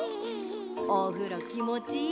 おふろきもちいいもんね。